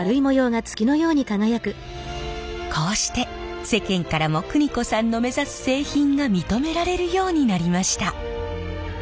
こうして世間からも邦子さんの目指す製品が認められるようになりました。